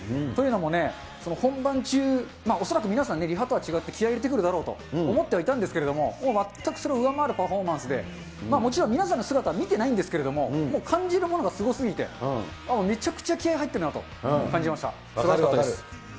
というのもね、本番中、恐らく皆さん、リハとは違って、気合い入れてくるだろうと思ってはいたんですけれども、全くそれを上回るパフォーマンスで、もちろん皆さんの姿、見てないんですけれども、もう感じるものがすごすぎて、めちゃくちゃ気合い入っているなと感じました。